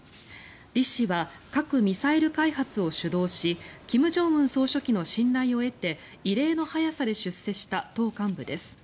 リ氏は核・ミサイル開発を主導し金正恩総書記の信頼を得て異例の速さで出世した党幹部です。